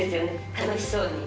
楽しそうに。